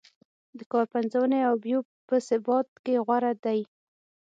د کار پنځونې او بیو په ثبات کې غوره دی.